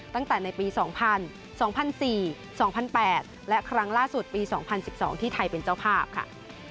ตั้งแต่ในปี๒๐๐๔๒๐๐๘และครั้งล่าสุดปี๒๐๑๒ที่ไทยเป็นเจ้าภาพค่ะ